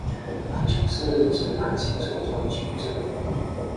男裙是指男性所着的裙子。